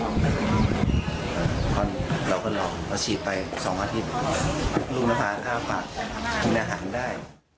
เราก็ลองเราฉีดไป๒สัปดาห์ที่รุ่งนภาคอาบปากกินอาหารได้